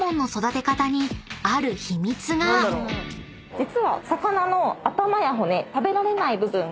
実は。